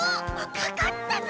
かかったぞ！